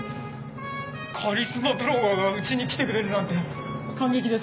カリスマブロガーがうちに来てくれるなんて感激です！